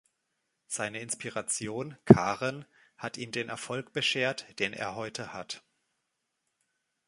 Seine Inspiration, Karen, hat ihm den Erfolg beschert, den er heute hat.